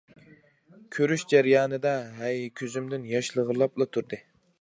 كۆرۈش جەريانىدا ھەي كۆزۈمدىن ياش لىغىرلاپلا تۇردى.